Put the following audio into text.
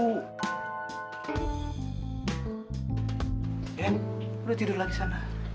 eh udah tidur lagi sana